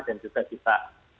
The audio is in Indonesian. dan juga bisa